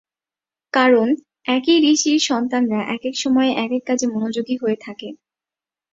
কারণ, একই ঋষির সন্তানরা একেক সময়ে একেক কাজে মনোযোগী হয়ে থাকে।